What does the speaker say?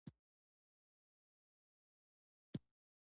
ژورې سرچینې د افغانستان په هنر په اثار کې په ښه توګه منعکس کېږي.